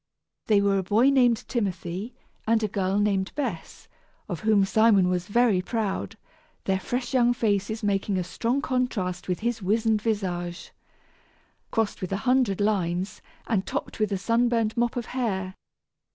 They were a boy named Timothy and a girl named Bess, of whom Simon was very proud, their fresh young faces making a strong contrast with his wizened visage, crossed with a hundred lines, and topped with a sunburned mop of hair.